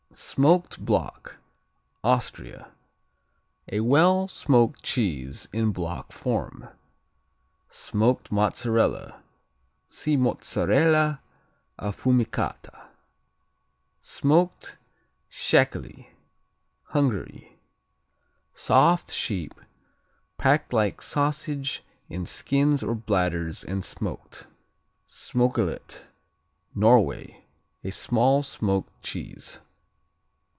Smoked Block Austria A well smoked cheese in block form. Smoked Mozzarella see Mozzarella Affumicata. Smoked Szekely Hungary Soft; sheep; packed like sausage in skins or bladders and smoked. Smokelet Norway. A small smoked cheese.